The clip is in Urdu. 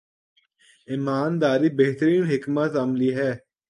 ایمان داری بہترین حکمت عملی ہے۔